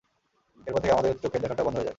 এরপর থেকে আমাদের চোখের দেখাটাও বন্ধ হয়ে যায়।